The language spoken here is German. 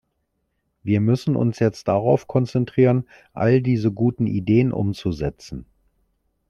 Wir müssen uns jetzt darauf konzentrieren, all diese guten Ideen umzusetzen.